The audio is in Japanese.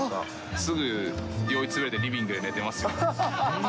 すぐ酔いつぶれてリビングで寝てますよ。